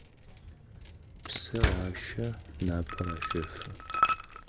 Псэр ащэ, напэр ащэфы.